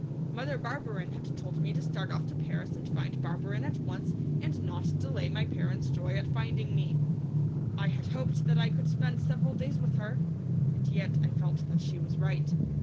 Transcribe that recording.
Mother Barberin had told me to start off to Paris and find Barberin at once and not delay my parent's joy at finding me. I had hoped that I could spend several days with her, and yet I felt that she was right.